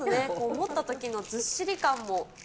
持ったときのずっしり感も。